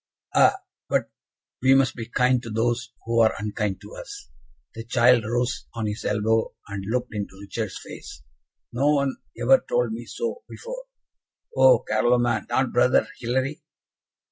"Ah! but we must be kind to those who are unkind to us." The child rose on his elbow, and looked into Richard's face. "No one ever told me so before." "Oh, Carloman, not Brother Hilary?"